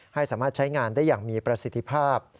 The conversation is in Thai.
ให้สามารถใช้งานได้อย่างมีประสิทธิภาพ